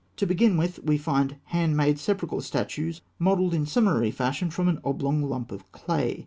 To begin with, we find hand made sepulchral statuettes modelled in summary fashion from an oblong lump of clay.